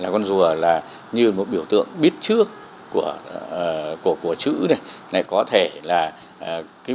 con rùa là như một biểu tượng biết trước của chữ